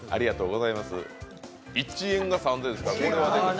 一円が３０００円ですから。